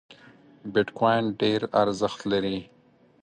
بیټ کواین ډېر ارزښت لري